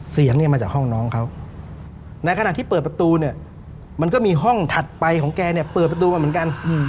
เสียงเนี่ยมาจากห้องน้องเขาในขณะที่เปิดประตูเนี่ยมันก็มีห้องถัดไปของแกเนี่ยเปิดประตูมาเหมือนกัน